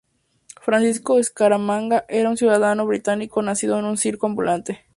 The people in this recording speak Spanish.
Francisco Scaramanga era un ciudadano británico nacido en un circo ambulante.